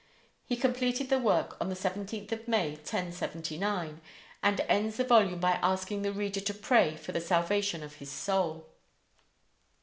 He completed the work on the 17th May, 1079, and ends the volume by asking the reader to pray for the salvation of his soul.